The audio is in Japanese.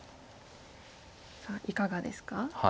さあいかがですか？